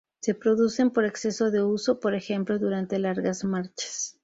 Se producen por exceso de uso, por ejemplo durante largas marchas.